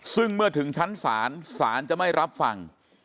ซึ่งเมื่อถึงชั้นศาลศาลจะไม่รับฟัง